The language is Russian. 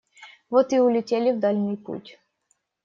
Вот и улетели в дальний путь.